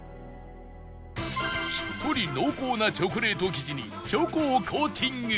しっとり濃厚なチョコレート生地にチョコをコーティング